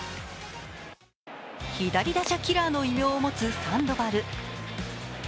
左打者キラーの異名を持つサンドバル。